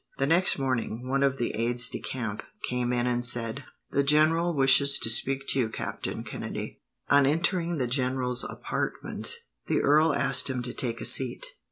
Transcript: The next morning, one of the aides de camp came in, and said: "The general wishes to speak to you, Captain Kennedy." On entering the general's apartment, the earl asked him to take a seat.